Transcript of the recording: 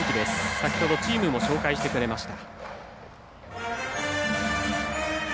先ほどチームも紹介してくれました。